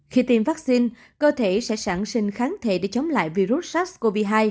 khi tiêm vắc xin cơ thể sẽ sản sinh kháng thể để chống lại virus sars cov hai